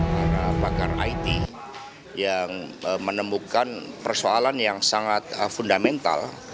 para pakar it yang menemukan persoalan yang sangat fundamental